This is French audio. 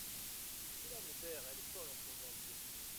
Laissez-la, mon père, elle est folle en ce moment, dit Delphine.